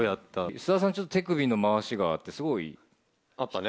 菅田さん、ちょっと手首の回しがって、すごい。あったね。